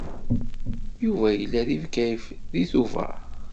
Yuba yella deg Bgayet deg Tubeṛ.